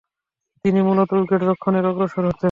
তিনি মূলতঃ উইকেট-রক্ষণে অগ্রসর হতেন।